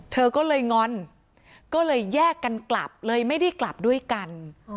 เธอก็เลยงอนก็เลยแยกกันกลับเลยไม่ได้กลับด้วยกัน